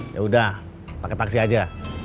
yaudah pake taksi aja